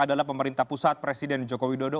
adalah pemerintah pusat presiden joko widodo